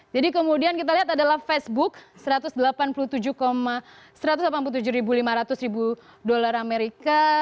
jadi kemudian kita lihat adalah facebook satu ratus delapan puluh tujuh satu ratus delapan puluh tujuh lima ratus ribu dolar amerika